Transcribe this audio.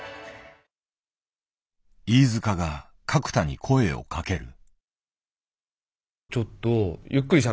飯塚が角田に声をかける。